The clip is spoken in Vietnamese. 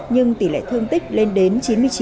nhưng tỷ lệ thương tích lên đến chín mươi chín